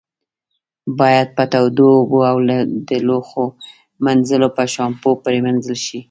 باید په تودو اوبو او د لوښو منځلو په شامپو پرېمنځل شي.